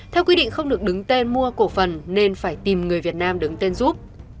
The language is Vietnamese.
theo quy định không được đứng tên mua cổ phần nên phải tìm người việt nam đứng tên giúp